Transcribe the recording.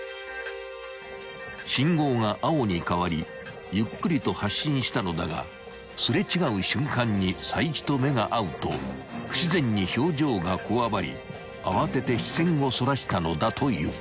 ［信号が青に変わりゆっくりと発進したのだが擦れ違う瞬間に齋木と目が合うと不自然に表情がこわばり慌てて視線をそらしたのだという］